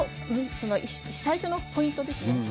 最初のポイントですね。